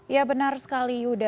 ya benar sekali yuda